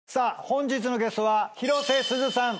本日のゲストは広瀬すずさん。